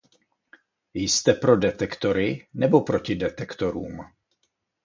Jste pro detektory nebo proti detektorům?